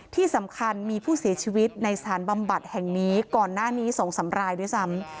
ที่สำคัญมีผู้เสียชีวิตในสถานบำบัดแห่งนี้ก่อนหน้านี้๒๓รายด้วยซ้ำ